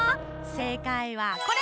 せいかいはこれ！